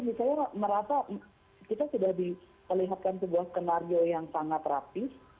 misalnya merasa kita sudah diperlihatkan sebuah skenario yang sangat rapih